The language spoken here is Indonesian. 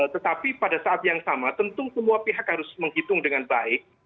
tetapi pada saat yang sama tentu semua pihak harus menghitung dengan baik